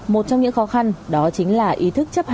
một trong những khó khăn đó chính là ý thức chấp hành